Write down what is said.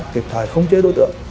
kịp thời khống chế đối tượng